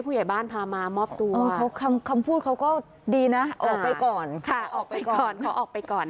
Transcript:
ผมกับโรนเติบอยู่นี่ผมเห็นแค่ผมออกไป